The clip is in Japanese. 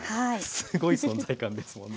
すごい存在感ですもんね。